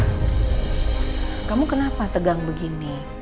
kamu kenapa tegang begini